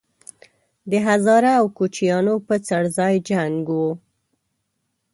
د هزاره او کوچیانو په څړځای جنګ وو